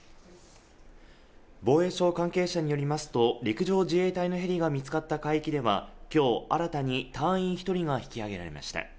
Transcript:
防衛省関係者によりますと陸上自衛隊のヘリが見つかった海域では今日、新たに隊員１人が引き揚げられました。